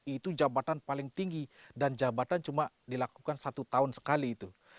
itu jabatan paling tinggi dan jabatan cuma dilakukan satu tahun sekali itu